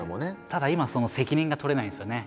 ただ今その責任が取れないんですよね。